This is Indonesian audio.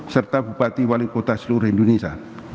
serta bupati wali kota seluruh indonesia